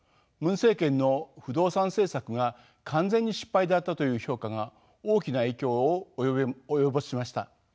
ムン政権の不動産政策が完全に失敗だったという評価が大きな影響を及ぼしました。